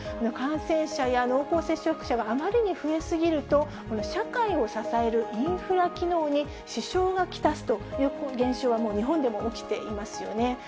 感染者や濃厚接触者があまりに増え過ぎると、社会を支えるインフラ機能に支障が来すという現象は、日本でも起きていますよね。